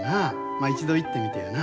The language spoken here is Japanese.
まあ一度行ってみてやな。